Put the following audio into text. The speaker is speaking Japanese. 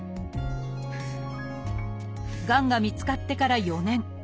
がんが見つかってから４年。